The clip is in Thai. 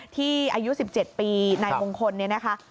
ที่อายุ๑๗ปีในวงคลนะคะ